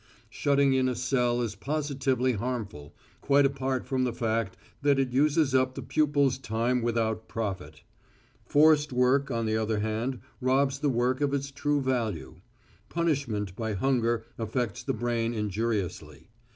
Shutting in a cell is positively harmful, quite apart from the fact that it uses up the pupil's time without profit. Forced work, on the other hand, robs the work of its true value. Punishment by hunger affects the brain injuriously.